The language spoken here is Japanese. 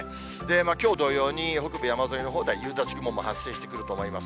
きょう同様に、北部山沿いのほうでは、夕立も発生してくると思います。